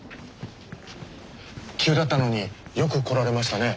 急だったのによく来られましたね。